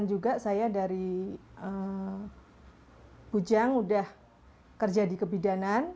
saya juga saya dari pujang sudah kerja di kebidanan